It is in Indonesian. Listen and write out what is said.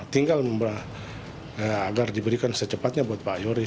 tinggal agar diberikan secepatnya buat pak yoris